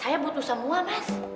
saya butuh semua mas